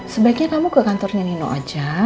sebaiknya kamu ke kantornya nino aja